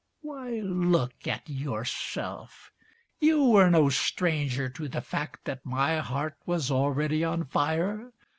Why, look at yourself! You were no stranger To the fact that my heart was already on fire.